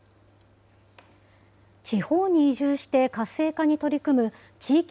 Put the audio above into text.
地方に移住して活性化に取り組む地域